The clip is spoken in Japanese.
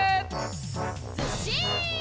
ずっしん！